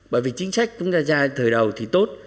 bởi vì chính sách chúng ta ra thời đầu thì tốt